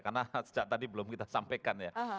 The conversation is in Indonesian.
karena sejak tadi belum kita sampaikan ya